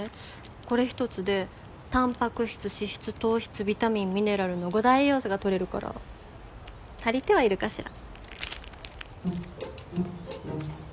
これ１つでタンパク質脂質糖質ビタミンミネラルの五大栄養素が取れるから足りてはいるかしら。